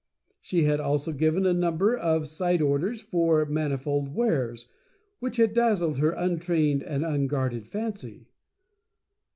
She had also given a number of Side Orders for Manifold Wares, which had dazzled her untrained and unguarded Fancy.